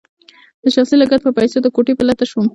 د شخصي لګښت په پیسو د کوټې په لټه شوم.